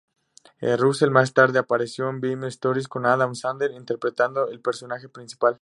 Russell más tarde apareció en "Bedtime Stories", con Adam Sandler interpretando el personaje principal.